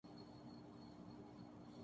پاکستان دنیا کا ایک اہم طاقتور ملک ہے